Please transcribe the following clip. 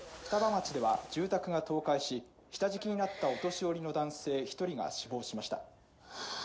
「双葉町では住宅が倒壊し下敷きになったお年寄りの男性１人が死亡しました。